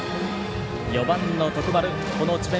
４番の徳丸、この智弁